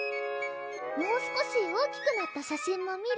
もう少し大きくなった写真も見る？